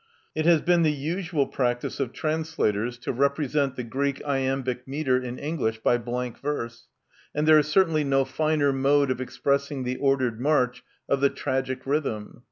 It has been the usual practice of translators to represent the Greek iambic metre in English by blank verse ; and there is certainly no finer mode of expressing the ordered march of the tragic rhythm.